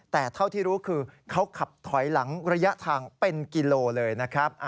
แต่เท่าที่รู้คือเขาขับถอยหลังระยะทางเป็นกิโลเลยนะครับ